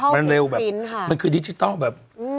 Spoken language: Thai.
มันเร็วแบบมันคือดิจิทัลแบบ